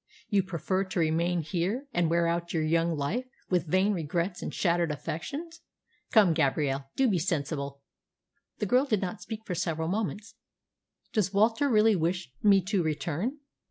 You prefer to remain here, and wear out your young life with vain regrets and shattered affections. Come, Gabrielle, do be sensible." The girl did not speak for several moments. "Does Walter really wish me to return?"